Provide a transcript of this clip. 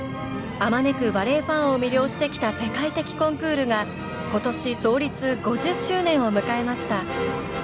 あまねくバレエファンを魅了してきた世界的コンクールが今年創立５０周年を迎えました。